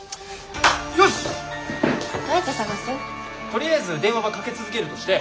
とりあえず電話はかけ続けるとして。